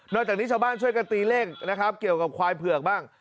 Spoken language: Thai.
จากนี้ชาวบ้านช่วยกันตีเลขนะครับเกี่ยวกับควายเผือกบ้าง